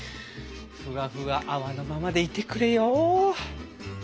ふわふわ泡のままでいてくれよ。